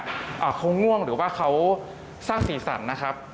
เขาง่วงหรือว่าเขาสร้างสีสันนะครับ